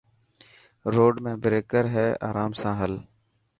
روڊ ميڻ بريڪر هي آرام سان هل.